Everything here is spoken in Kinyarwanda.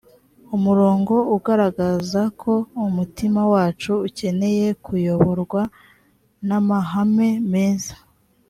umurongo ugaragaza ko umutima wacu ukeneye kuyoborwa n amahame meza